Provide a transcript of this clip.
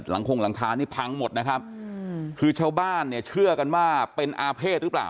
คงหลังคานี่พังหมดนะครับคือชาวบ้านเนี่ยเชื่อกันว่าเป็นอาเภษหรือเปล่า